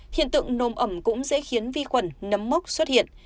hiện tượng nồm ẩm cũng dễ khiến vi khuẩn nấm mốc xuất hiện